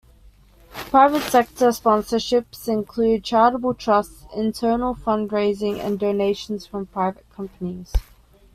Private sector sponsorship includes charitable trusts, internal fund raising and donations from private companies.